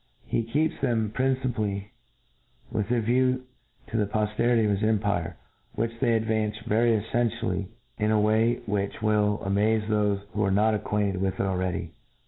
He keeps them princi pally with a view to the profperity of hi^ empire, which they advance very effentially in a way which will amaze thofe who are not acquainted with it already.